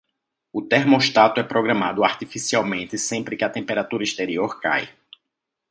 O termostato é programado artificialmente sempre que a temperatura exterior cai